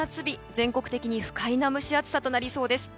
全国的に不快な蒸し暑さとなりそうです。